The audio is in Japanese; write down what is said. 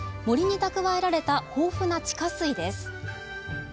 森に蓄えられた豊富な地下水です。